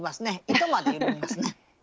糸まで緩みますね。